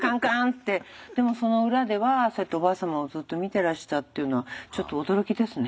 でもその裏ではそうやっておばあ様をずっと見てらしたっていうのはちょっと驚きですね。